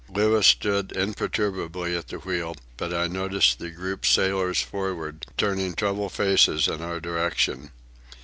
Louis stood imperturbably at the wheel, but I noticed the grouped sailors forward turning troubled faces in our direction.